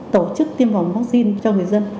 tổ chức tiêm phòng vaccine cho người dân